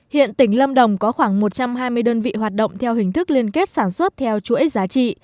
hiện tỉnh lâm đồng có khoảng một trăm hai mươi đơn vị hoạt động theo hình thức liên kết sản xuất theo chuỗi giá trị